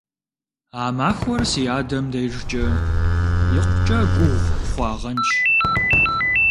А махуэр си адэм дежкӀэ икъукӀэ гугъу хъуагъэнщ.